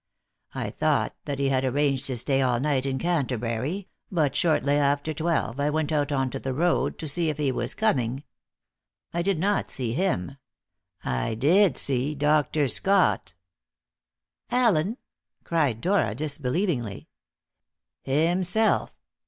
I thought that he had arranged to stay all night in Canterbury, but shortly after twelve I went out on to the road to see if he was coming. I did not see him; I did see Dr. Scott." "Allen?" cried Dora disbelievingly. "Himself.